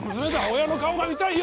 親の顔が見たいよ！